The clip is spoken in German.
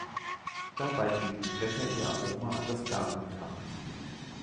Dabei geben die Blätter ihr Aroma an das Gargut ab.